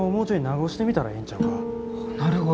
なるほど。